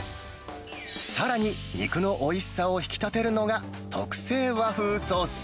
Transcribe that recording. さらに、肉のおいしさを引き立てるのが特製和風ソース。